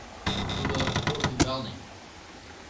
Тудо курык ӱмбалне